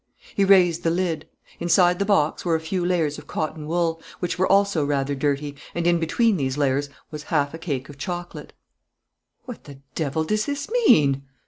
He raised the lid. Inside the box were a few layers of cotton wool, which were also rather dirty, and in between these layers was half a cake of chocolate. "What the devil does this mean?"